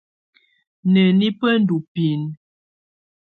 Nǝ́ni bá ndɔ́ binǝ?